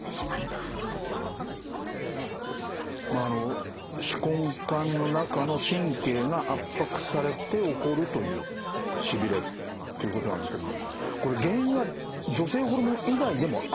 まああの手根管の中の神経が圧迫されて起こるというしびれということなんですけどもこれ原因は女性ホルモン以外でもあるんですか？